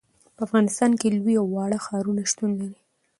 په افغانستان کې لوی او واړه ښارونه شتون لري.